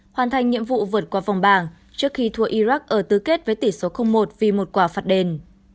hoàn thành nhiệm vụ vượt qua vòng bảng trước khi thua iraq ở tứ kết với tỷ số một vì một quả phạt đền